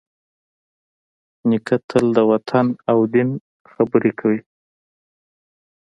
نیکه تل د وطن او دین خبرې کوي.